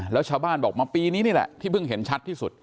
แล้วชาวบ้านบอกมาปีนี้นี่แหละที่เพิ่งเห็นชัดที่สุด